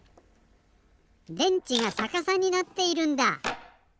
電池がさかさになっているんだ。